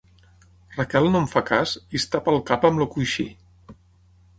Raquel no em fa cas i es tapa el cap amb el coixí.